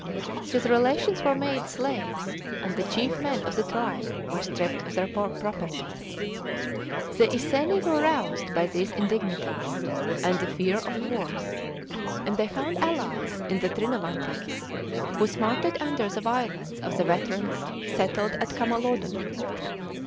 His relations were made slaves, and ihe chief men of the tribe were stript of their property. The Iconi v/ore roused by these indignities and the fear of worse, and ihcy Tound allies in the Trinovantes, who smarted under the violence of the veterans settled at Camalodunum.